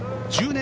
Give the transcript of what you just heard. １０年